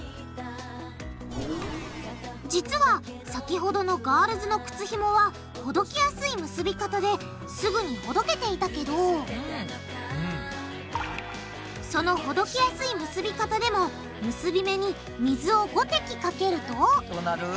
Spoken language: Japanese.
実は先ほどのガールズの靴ひもはほどけやすい結び方ですぐにほどけていたけどそのほどけやすい結び方でも結び目に水を５滴かけるとどうなる？